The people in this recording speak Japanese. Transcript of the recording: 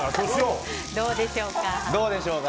どうでしょうか。